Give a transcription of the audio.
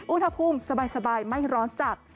อุณหภูมิสบายไม่ร้อนจัด